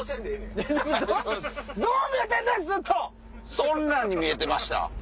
そんなんに見えてました？